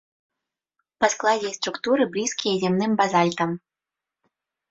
Па складзе і структуры блізкія зямным базальтам.